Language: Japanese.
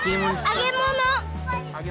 揚げ物？